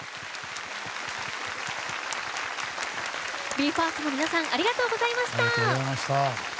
ＢＥ：ＦＩＲＳＴの皆さんありがとうございました。